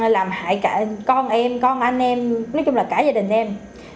làm hại cả con em con anh em nói chung là cả gia đình em